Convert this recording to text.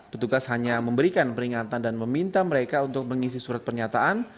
petugas hanya memberikan peringatan dan meminta mereka untuk mengisi surat pernyataan